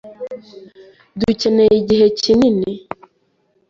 Dukeneye igihe kinini.